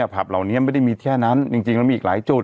ผับเหล่านี้ไม่ได้มีแค่นั้นจริงแล้วมีอีกหลายจุด